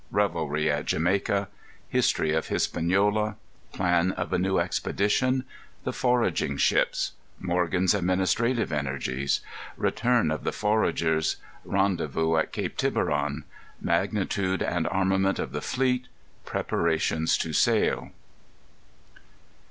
Revelry at Jamaica. History of Hispaniola. Plan of a New Expedition. The Foraging Ships. Morgan's Administrative Energies. Return of the Foragers. Rendezvous at Cape Tiburon. Magnitude and Armament of the Fleet. Preparations to Sail.